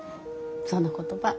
その言葉